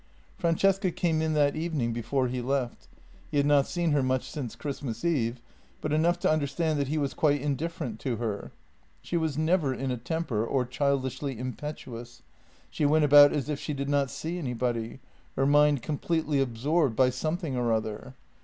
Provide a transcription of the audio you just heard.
Francesca came in that evening before he left. He had not seen her much since Christmas Eve, but enough to understand that he was quite indifferent to her. She was never in a temper, or childishly impetuous; she went about as if she did not see anybody, her mind completely absorbed by something or other.